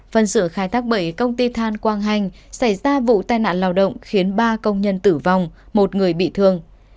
phần sửa khai thác bẫy công ty than quang hành xảy ra vụ tai nạn lao động khiến ba công nhân tử vong một người bị thương